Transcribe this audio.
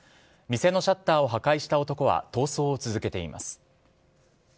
店のシャッターを破壊した男は逃走を続けています。